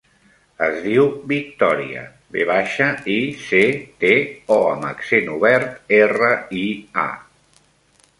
Es diu Victòria: ve baixa, i, ce, te, o amb accent obert, erra, i, a.